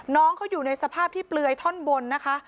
น้องเขาอยู่ในสภาพที่เปลือยท่อนบนนะคะ